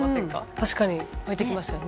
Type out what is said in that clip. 確かに湧いてきましたよね。